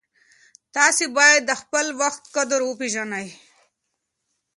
تاسې باید د خپل وخت قدر وپېژنئ.